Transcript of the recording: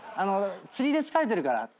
「釣りで疲れてるから」